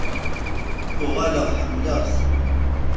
Uɣaleɣ ḥemmleɣ-t.